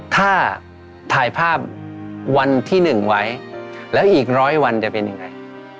ถ้าถ่ายภาพวันที่๑ไว้แล้วอีกร้อยวันจะเป็นยังไง